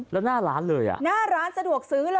แล้วหน้าร้านเลยอ่ะหน้าร้านสะดวกซื้อเลย